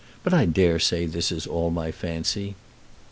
But I dare say this is all my fancy.